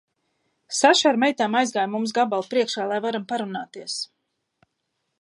Saša ar meitām aizgāja mums gabalu priekšā, lai varam parunāties.